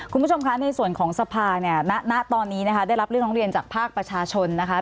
คุณผู้ชมคะในส่วนของสภาเนี่ยณตอนนี้นะคะได้รับเรื่องร้องเรียนจากภาคประชาชนนะคะ